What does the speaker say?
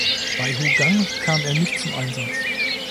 Bei Hougang kam er nicht zum Einsatz.